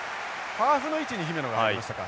ハーフの位置に姫野が入りましたか。